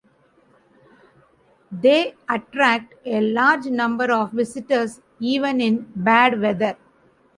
They attract a large number of visitors even in bad weather.